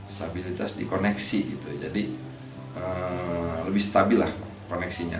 stabilitas di koneksi gitu jadi lebih stabil lah koneksinya